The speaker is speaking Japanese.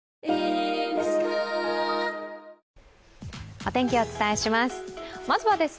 お天気、お伝えします。